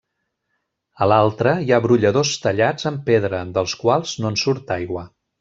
A l'altra, hi ha brolladors tallats en pedra, dels quals no en surt aigua.